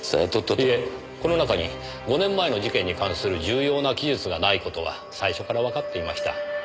いえこの中に５年前の事件に関する重要な記述がない事は最初からわかっていました。